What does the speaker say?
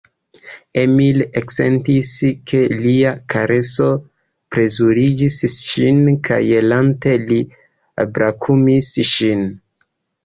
Emil eksentis, ke lia kareso plezurigis ŝin kaj lante li brakumis ŝin.